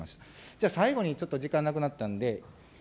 じゃあ最後にちょっと時間なくなったんで。